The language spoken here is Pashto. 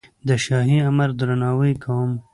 د شاهي امر درناوی کوم.